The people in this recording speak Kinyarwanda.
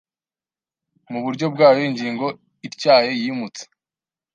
Muburyo bwayo ingingo ityaye yimutse